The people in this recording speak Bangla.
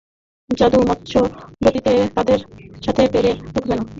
জাদু মৎস্য গতিতে তাদের সাথে পেরে উঠবে না।